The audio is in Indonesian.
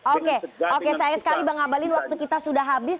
oke oke saya sekali mengabalin waktu kita sudah habis